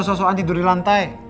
gak usah so soan tidur di lantai